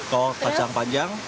kol kacang panjang